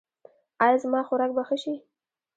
ایا زما خوراک به ښه شي؟